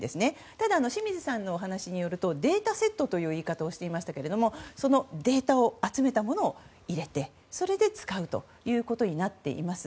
ただ、清水さんのお話によるとデータセットというお話をしていましたがそのデータを集めたものを入れてそれで使うということになっています。